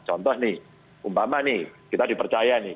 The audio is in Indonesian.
contoh nih umpama nih kita dipercaya nih